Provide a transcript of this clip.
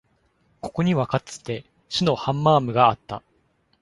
ここにはかつて、市のハンマームがあった。